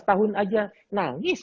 nangis pada saat diisolasi